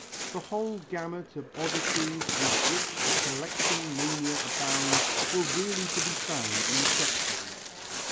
The whole gamut of oddities with which the collecting mania abounds were really to be found in the septæ.